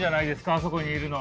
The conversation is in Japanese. あそこにいるの。